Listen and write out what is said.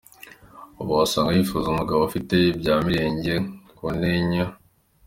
Ubu wasanga yifuza umugabo ufite ibyamirenge kuntenyo😂.